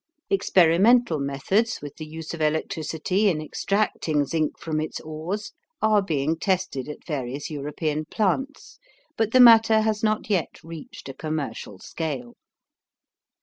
Experimental methods with the use of electricity in extracting zinc from its ores are being tested at various European plants, but the matter has not yet reached a commercial scale.